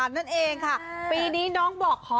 นั่นเองค่ะปีนี้น้องบอกขอ